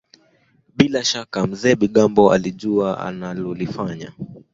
bila shaka Mzee Bigambo alijua analolifanya